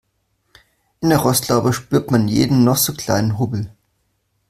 In der Rostlaube spürt man jeden noch so kleinen Hubbel.